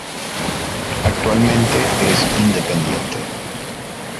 Actualmente es independiente.